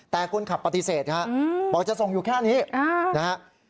แต่คนขับปฏิเสธครับบอกจะส่งอยู่แค่นี้นะฮะ